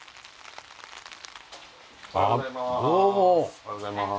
おはようございます。